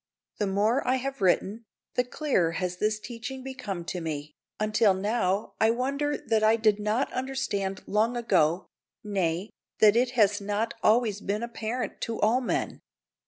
The more I have written, the clearer has this teaching become to me, until now I wonder that I did not understand long ago nay, that it has not always been apparent to all men.